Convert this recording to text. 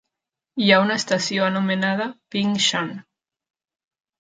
Hi ha una estació anomenada "Ping Shan".